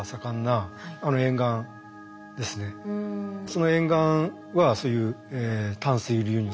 その沿岸はそういう淡水流入。